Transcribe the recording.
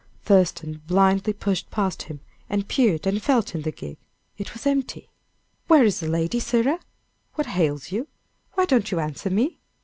Thurston blindly pushed past him, and peered and felt in the gig. It was empty. "Where is the lady, sirrah? What ails you? Why don't you answer me?"